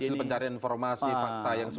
hasil pencarian informasi fakta yang